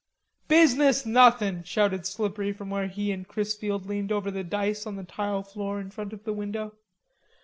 "Business nothin'," shouted Slippery from where he and Chrisfield leaned over the dice on the tile floor in front of the window.